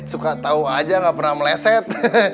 suka tau aja gak pernah meleset